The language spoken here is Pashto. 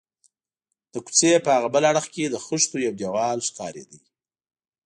د کوڅې په هاغه بل اړخ کې د خښتو یو دېوال ښکارېده.